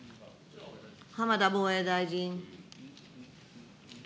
浜田防衛大臣。